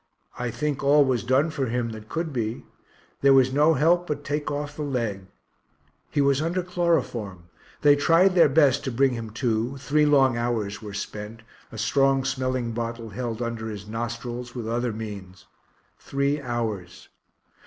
I think all was done for him that could be there was no help but take off the leg; he was under chloroform they tried their best to bring him to three long hours were spent, a strong smelling bottle held under his nostrils, with other means, three hours.